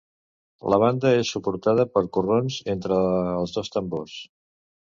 La banda és suportada per corrons entre els dos tambors.